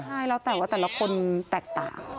ใช่แล้วแต่ว่าแต่ละคนแตกต่าง